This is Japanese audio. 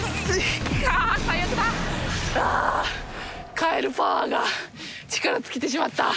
カエルパワーが力尽きてしまった。